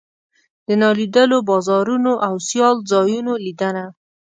د نالیدلو بازارونو او سیال ځایونو لیدنه.